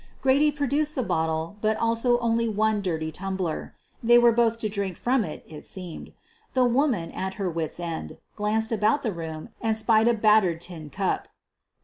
Grady produced the bottle but also only one dirty I tumbler. They were both to drink from that, it seemed. The woman, at her wits' ends, glanced about the room and spied a battered tin cup.